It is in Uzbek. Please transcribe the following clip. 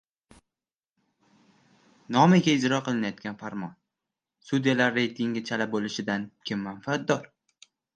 Nomiga ijro qilinayotgan farmon: Sudyalar reytingi chala bo‘lishidan kim manfaatdor?